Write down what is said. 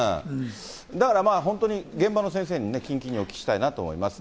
だから本当に現場の先生にね、近々にお聞きしたいなと思います。